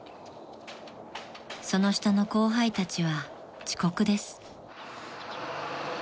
［その下の後輩たちは遅刻です］